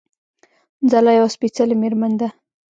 ځلا يوه سپېڅلې مېرمن ده